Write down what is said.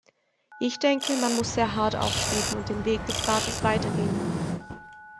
Ich denke, man muss sehr hart auftreten und den Weg des Rates weitergehen.